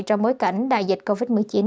trong bối cảnh đại dịch covid một mươi chín